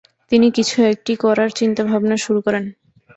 তিনি কিছু একটি করার চিন্তাভাবনা শুরু করেন।